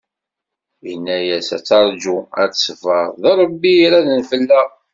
In-as ad terju, ad teṣber, d Rebbi i iraden fell-aɣ.